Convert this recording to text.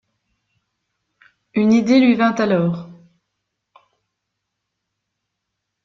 Une idée lui vint alors.